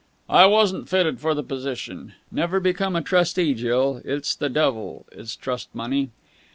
"I wasn't fitted for the position. Never become a trustee, Jill. It's the devil, is trust money.